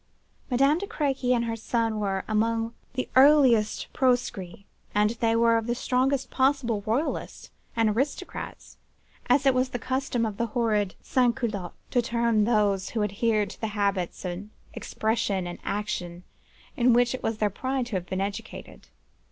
"Madame de Crequy and her son were among the earliest proscrits, as they were of the strongest possible royalists, and aristocrats, as it was the custom of the horrid Sansculottes to term those who adhered to the habits of expression and action in which it was their pride to have been educated.